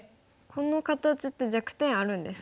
この形って弱点あるんですか？